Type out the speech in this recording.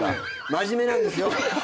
真面目なんですよ。